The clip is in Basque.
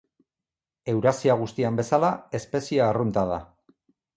Eurasia guztian bezala, espezie arrunta da.